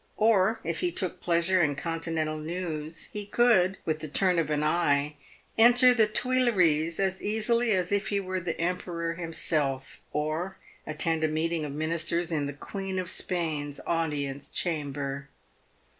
Or, if he took pleasure in continental news, he could, with the turn of an eye, enter the Tuileries as easily as if he were the Emperor himself, or attend a meeting of ministers in the Queen of Spain's audience chamber.